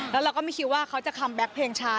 แล้วเราก็ไม่คิดว่าเขาจะคัมแก๊กเพลงช้า